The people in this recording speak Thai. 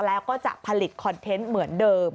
แล้วก็จะผลิตคอนเทนต์เหมือนเดิม